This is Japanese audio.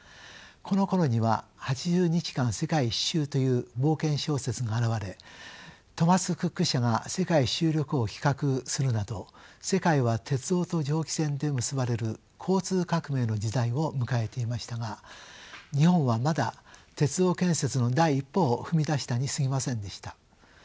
このころには「八十日間世界一周」という冒険小説が現れトーマス・クック社が世界一周旅行を企画するなど世界は鉄道と蒸気船で結ばれる交通革命の時代を迎えていましたが日本はまだ鉄道建設の第一歩を踏み出したにすぎませんでした。